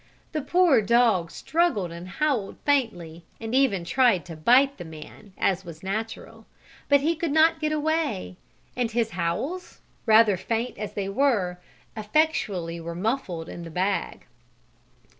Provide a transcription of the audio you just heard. The poor dog struggled and howled faintly, and even tried to bite the man, as was natural. But he could not get away, and his howls, rather faint as they were, effectually were muffled in the bag.